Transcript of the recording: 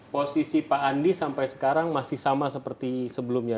posisi pak andi sampai sekarang masih sama seperti sebelumnya